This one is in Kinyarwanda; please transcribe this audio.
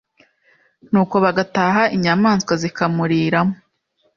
nuko bagataha inyamaswa zikamuriramo